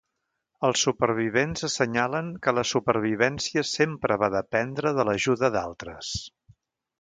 Els supervivents assenyalen que la supervivència sempre va dependre de l'ajuda d'altres.